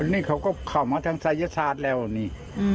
นี่เขาก็เข้ามาทางศัยศาสตร์แล้วนี่